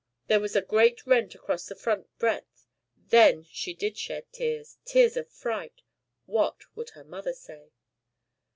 There was a great rent across the front breadth. Then she did shed tears tears of fright. What would her mother say?